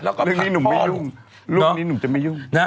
เรื่องนี้หนุ่มไม่ยุ่งลูกนี้หนุ่มจะไม่ยุ่ง